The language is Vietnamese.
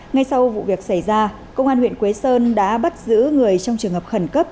ngay sau vụ việc xảy ra công an huyện quế sơn đã bắt giữ người trong trường hợp khẩn cấp